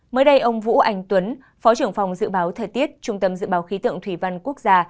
mới đây ông vũ anh tuấn phó trưởng phòng dự báo thời tiết trung tâm dự báo khí tượng thủy văn quốc gia